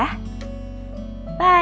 jessica tunggu ya